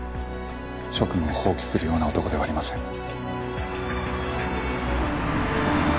職務を放棄するような男ではありません。